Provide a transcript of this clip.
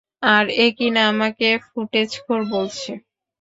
আর, এ কিনা আমাকে ফুটেজখোর বলছে!